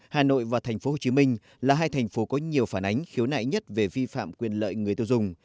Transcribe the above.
hà nội và tp hcm là hai thành phố có nhiều phản ánh khiếu nại nhất về vi phạm quyền lợi người tiêu dùng